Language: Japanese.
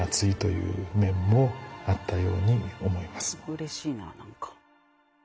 うれしいななんか。